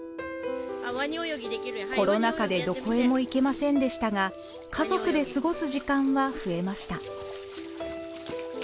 コロナ禍でどこへも行けませんでしたが家族で過ごす時間は増えました。